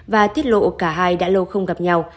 và tiết lộ cả hai đã lâu không gặp nhau